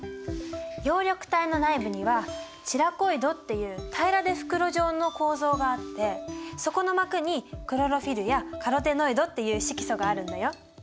葉緑体の内部にはチラコイドっていう平らで袋状の構造があってそこの膜にクロロフィルやカロテノイドっていう色素があるんだよ。